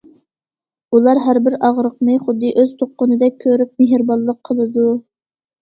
ئۇلار ھەر بىر ئاغرىقنى خۇددى ئۆز تۇغقىنىدەك كۆرۈپ، مېھرىبانلىق قىلىدۇ.